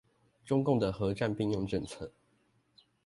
中共的和戰並用策略